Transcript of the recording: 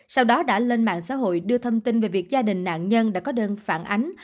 sau đó đã lên mạng xã hội đưa thông tin về việc gia đình nạn nhân đã có đơn phản ánh